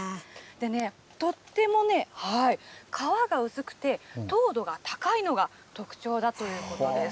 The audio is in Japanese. でね、とってもね、皮が薄くて、糖度が高いのが特徴だということです。